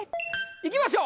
いきましょう！